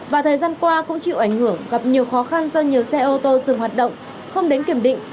và thời gian qua cũng chịu ảnh hưởng gặp nhiều khó khăn do nhiều xe ô tô dừng hoạt động không đến kiểm định